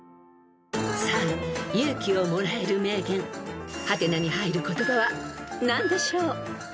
［さあ勇気をもらえる名言「？」に入る言葉は何でしょう？］